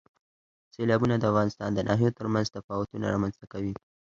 سیلابونه د افغانستان د ناحیو ترمنځ تفاوتونه رامنځ ته کوي.